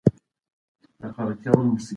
که پښتو ادب پیاوړی وي نو ارزښتونه نه ورکېږي.